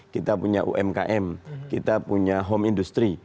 kita punya umkm kita punya home industry